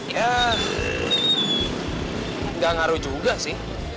ya nggak ngaruh juga sih